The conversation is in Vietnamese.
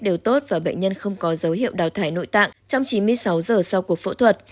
đều tốt và bệnh nhân không có dấu hiệu đào thải nội tạng trong chín mươi sáu giờ sau cuộc phẫu thuật